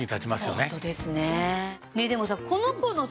ホントですね。